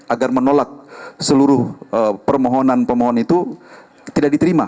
agar menolak seluruh permohonan pemohon itu tidak diterima